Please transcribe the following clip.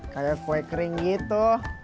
kayak kue kering gitu